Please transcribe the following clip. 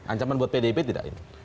ancaman buat pdip tidak ini